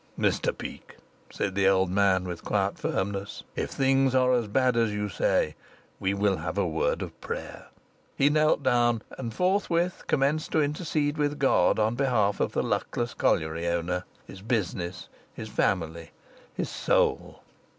"Mr Peake," said the old man, with quiet firmness, "if things are as bad as you say we will have a word of prayer." He knelt down and forthwith commenced to intercede with God on behalf of this luckless colliery owner, his business, his family, his soul.